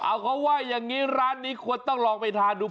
เอาเขาว่าอย่างนี้ร้านนี้ควรต้องลองไปทานดู